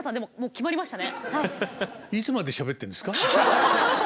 決まりました？